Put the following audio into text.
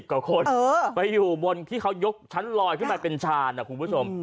กว่าคนไปอยู่บนที่เขายกชั้นลอยขึ้นมาเป็นชาญนะคุณผู้ชม